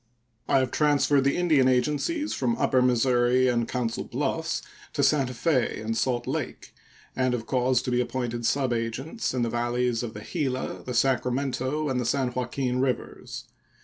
I have transferred the Indian agencies from upper Missouri and Council Bluffs to Santa Fe and Salt Lake, and have caused to be appointed subagents in the valleys of the Gila, the Sacramento, and the San Joaquin rivers.